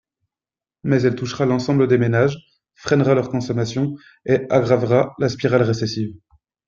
Mais elle touchera l’ensemble des ménages, freinera leur consommation et aggravera la spirale récessive.